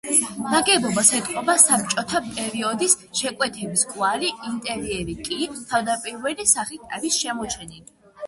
ნაგებობას ეტყობა საბჭოთა პერიოდის შეკვეთების კვალი, ინტერიერი კი, თავდაპირველი სახით არის შემოჩენილი.